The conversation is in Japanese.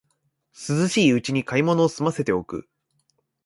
涼しいうちに買い物をすませておく